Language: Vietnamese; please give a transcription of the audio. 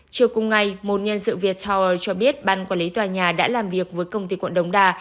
chiều cùng ngày một nhân sự việt tower cho biết ban quản lý tòa nhà đã làm việc với công ty quận đống đà